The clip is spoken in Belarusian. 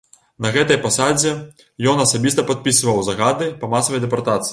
На гэтай пасадзе ён асабіста падпісваў загады па масавай дэпартацыі.